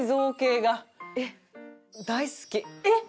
えっ！